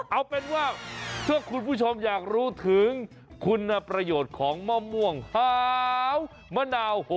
เอาเป็นว่าถ้าคุณผู้ชมอยากรู้ถึงคุณประโยชน์ของมะม่วงหาวมะนาว